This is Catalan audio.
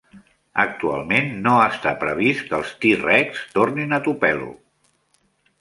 Actualment no està previst que els T-Rex tornin a Tupelo.